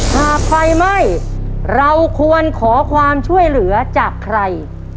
หากไฟไหม้เราควรขอความช่วยเหลือจากใคร